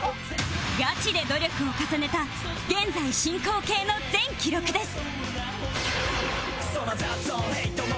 ガチで努力を重ねた現在進行形の全記録です